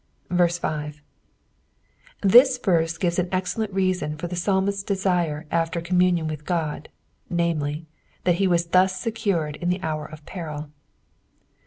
5. This verse gives an excellent reason for the psalmist's desire after commu nion with Ood, namely, that he was thus secured in the hour of peril.